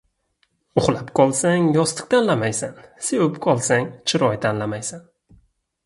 • Uxlab qolsang, yostiq tanlamaysan, sevib qolsang, chiroy tanlamaysan.